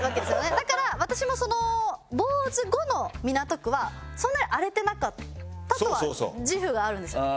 だから私も坊主後の港区はそんなに荒れてなかったとは自負があるんですよ。